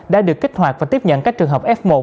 đã được kích hoạt và tiếp nhận các trường hợp f một